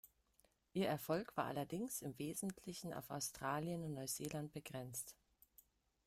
Ihr Erfolg war allerdings im Wesentlichen auf Australien und Neuseeland begrenzt.